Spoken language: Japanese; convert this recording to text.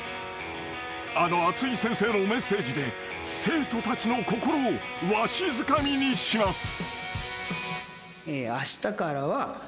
［あの熱い先生のメッセージで生徒たちの心をわしづかみにします］